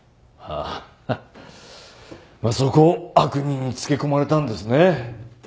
ああまあそこを悪人につけ込まれたんですね。